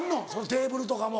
テーブルとかも。